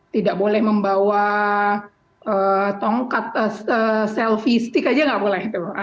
tidak boleh membawa tongkat selfie stick aja nggak boleh